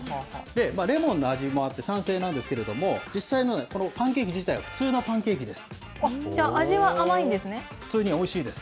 レモンの味もあって酸性なんですけれども、実際のこのパンケーキ自体は普通のパンケーキです。